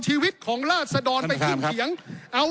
ขอประท้วงครับขอประท้วงครับขอประท้วงครับขอประท้วงครับ